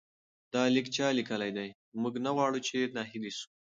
دا لیک چا لیکلی دی؟ موږ نه غواړو چې ناهیلي سو.